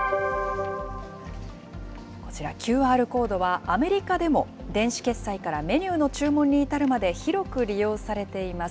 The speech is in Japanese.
こちらＱＲコードは、アメリカでも電子決済からメニューの注文に至るまで広く利用されています。